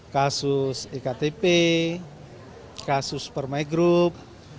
kasus iktp kasus permai group